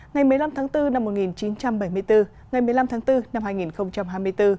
ngày một mươi năm tháng bốn năm một nghìn chín trăm bảy mươi bốn ngày một mươi năm tháng bốn năm hai nghìn hai mươi bốn